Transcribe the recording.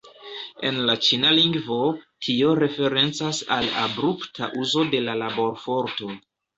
En la Ĉina lingvo, tio referencas al abrupta uzo de la laborforto.